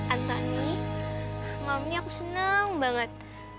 antoni malam ini aku senang banget